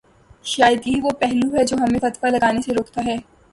شاید یہی وہ پہلو ہے جو ہمیں فتوی لگانے سے روکتا ہے۔